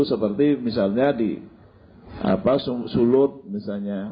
seperti misalnya di sulut misalnya